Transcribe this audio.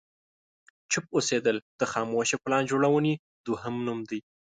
چوپ اوسېدل د خاموشه پلان جوړونې دوهم نوم دی.